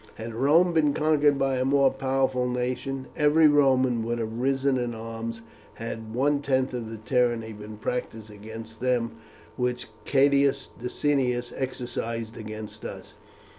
Had Rome been conquered by a more powerful nation, every Roman would have risen in arms had one tenth of the tyranny been practised against them which Catus Decianus exercised against us.